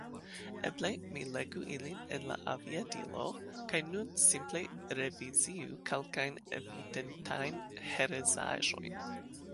Eble mi legu ilin en la aviadilo kaj nun simple reviziu kelkajn evidentajn herezaĵojn.